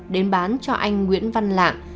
đến bán cho anh nguyễn văn lạng